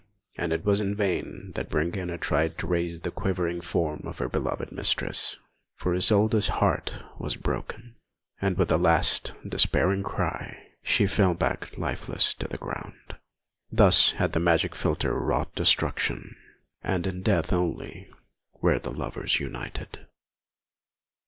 And it was in vain that Brangæna tried to raise the quivering form of her beloved mistress; for Isolda's heart was broken, and with a last despairing cry, she fell back lifeless to the ground. Thus had the magic philtre wrought destruction; and in death only were the lovers united.